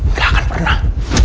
gak akan pernah